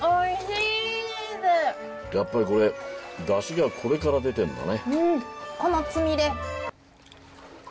やっぱりこれ出汁がこれから出てるんだね。